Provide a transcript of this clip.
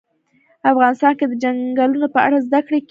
افغانستان کې د چنګلونه په اړه زده کړه کېږي.